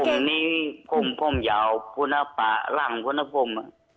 ผมนี้ผมยาวผู้น้าป่ารั่งผู้น้าผม